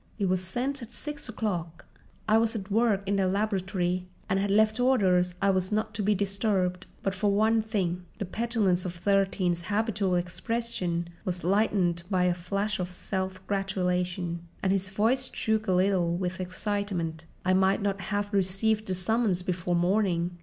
"It was sent at six o'clock." "I was at work in the laboratory and had left orders I was not to be disturbed. But for one thing"—the petulance of Thirteen's habitual expression was lightened by a flash of self gratulation, and his voice shook a little with excitement—"I might not have received the summons before morning."